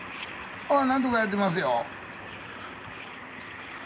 私はなんとかやっておりますよ。